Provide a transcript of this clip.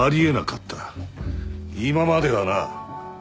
今まではな。